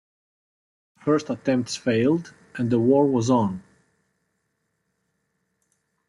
First attempts failed and a war was on.